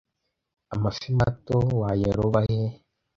Amafi mato wayaroba he